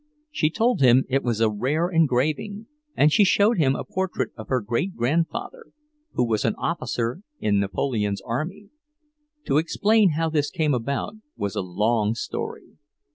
She told him it was a rare engraving, and she showed him a portrait of her great grandfather, who was an officer in Napoleon's army. To explain how this came about was a long story.